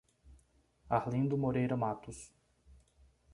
Arlindo Moreira Matos